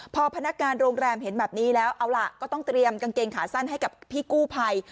พอพนักงานโรงแรมเห็นแบบนี้แล้วเอาล่ะก็ต้องเตรียมกางเกงขาสั้นให้กับพี่กู้ภัย